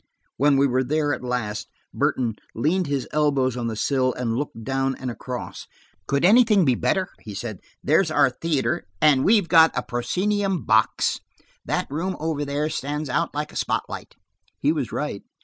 When we were there at last, Burton leaned his elbows on the sill, and looked down and across. "Could anything be better!" he said. "There's our theater, and we've got a proscenium box. That room over there stands out like a spot light!" He was right.